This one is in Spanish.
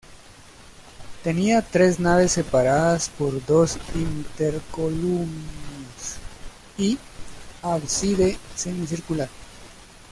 Tenía tres naves separadas por dos intercolumnios y ábside semicircular.